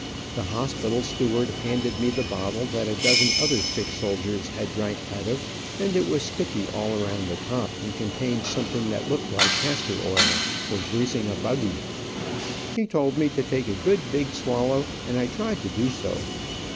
The hospital steward handed me the bottle that a dozen other sick soldiers had drank out of, and it was sticky all around the top, and contained something that looked like castor oil, for greasing a buggy. He told me to take a good big swallow, and I tried to do so.